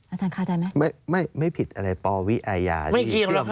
อาจารย์เข้าใจไหมไม่ผิดอะไรปวิยที่เชื่อมโยง